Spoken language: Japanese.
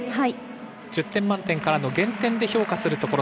１０点満点からの減点で評価するところ。